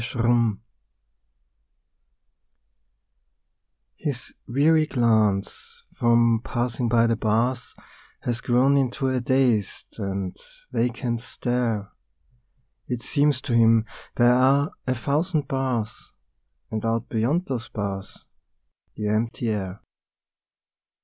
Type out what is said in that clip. THE PANTHER His weary glance, from passing by the bars, Has grown into a dazed and vacant stare; It seems to him there are a thousand bars And out beyond those bars the empty air.